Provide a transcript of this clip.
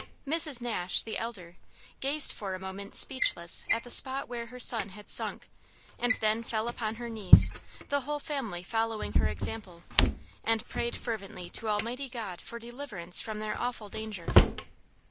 Mrs. Nash, the elder, gazed for a moment speechless at the spot where her son had sunk, and then fell upon her knees, the whole family following her example, and prayed fervently to Almighty God for deliverance from their awful danger.